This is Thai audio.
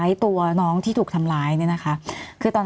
มีความรู้สึกว่ามีความรู้สึกว่า